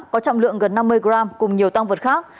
có trọng lượng gần năm mươi gram cùng nhiều tăng vật khác